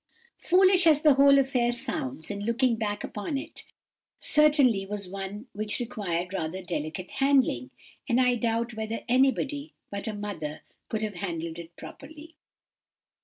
"Foolish as the whole affair sounds in looking back upon it, it certainly was one which required rather delicate handling, and I doubt whether anybody but a mother could have handled it properly.